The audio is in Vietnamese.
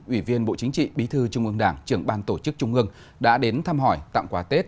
ủy viên bộ chính trị bí thư trung ương đảng trưởng ban tổ chức trung ương đã đến thăm hỏi tặng quà tết